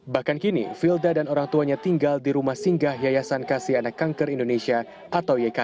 bahkan kini vilda dan orang tuanya tinggal di rumah singgah yayasan kasianak kanker indonesia atau ykk